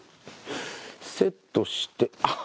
セットしてあっ！